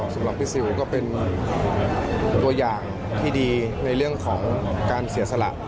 สำหรับพี่ซิลก็เป็นตัวอย่างที่ดีในเรื่องของการเสียสละ